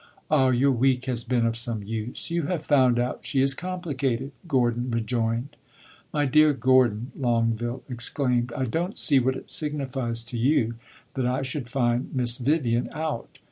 "Ah, your week has been of some use. You have found out she is complicated!" Gordon rejoined. "My dear Gordon," Longueville exclaimed, "I don't see what it signifies to you that I should find Miss Vivian out!